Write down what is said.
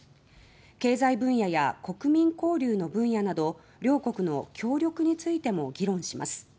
経済分野や国民交流の分野など両国の協力についても議論します。